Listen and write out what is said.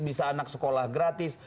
bisa anak sekolah gratis